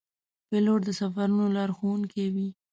پیلوټ د سفرونو لارښوونکی وي.